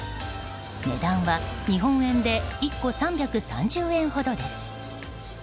値段は日本円で１個３３０円ほどです。